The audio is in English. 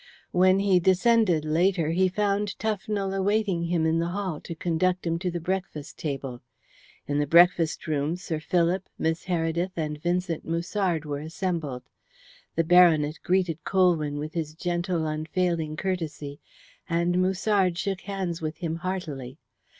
When he descended later, he found Tufnell awaiting him in the hall to conduct him to the breakfast table. In the breakfast room Sir Philip, Miss Heredith, and Vincent Musard were assembled. The baronet greeted Colwyn with his gentle unfailing courtesy, and Musard shook hands with him heartily.